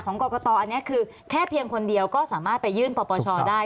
กรกตอันนี้คือแค่เพียงคนเดียวก็สามารถไปยื่นปปชได้